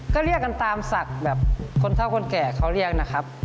ก็เรียกกันตามศักดิ์แบบคนเท่าคนแก่เขาเรียกนะครับ